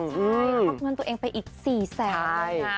ใช่ควักเงินตัวเองไปอีก๔แสน